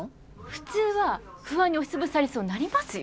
普通は不安に押し潰されそうになりますよ